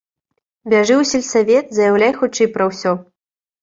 Бяжы ў сельсавет, заяўляй хутчэй пра ўсё.